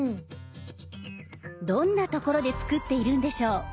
どんなところで作っているんでしょう？